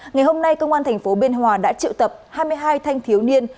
ngày hôm nay công an thành phố biên hòa đã triệu tập hai mươi hai thanh thiếu niên